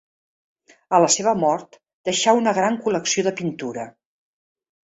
A la seva mort deixà una gran col·lecció de pintura.